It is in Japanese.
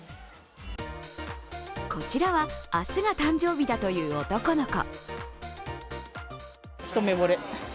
こちらは明日が誕生日だという男の子。